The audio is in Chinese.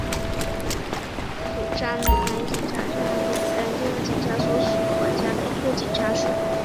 釜山海云台警察署是韩国釜山地方警察厅所管辖的一个警察署。